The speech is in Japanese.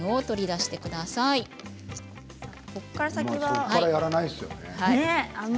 そこからはやらないですね。